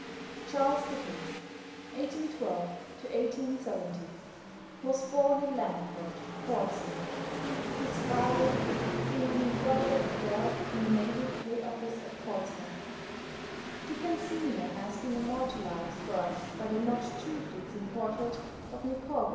=Charles Dickens (1812 1870)= was born at Landport, Portsea, his father being an improvident clerk in the Navy Pay Office at Portsmouth. Dickens senior has been immortalized for us by the not too pleasing portrait of "Micawber."